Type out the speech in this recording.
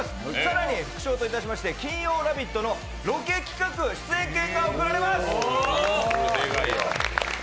更に、副賞といたしまして金曜ラヴィット！のロケ企画出演権が贈られます。